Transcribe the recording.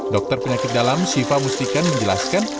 dokter penyakit dalam syifa mustikan menjelaskan